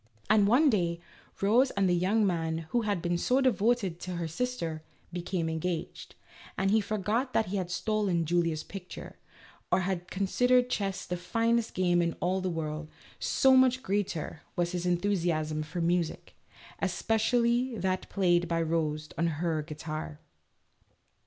And one day, Rose and the young man, who had been so devoted to her sister, became engaged, and he forgot that he had stolen Julia's picture, or had considered chess the finest game in all the world, so much greater was his enthusiasm for music (espe cially that played by Rose on her guitar).